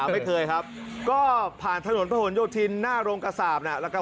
ไม่เคยครับก็ผ่านถนนประหลโยธินหน้าโรงกษาบแล้วก็